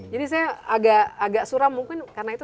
saya agak suram mungkin karena itu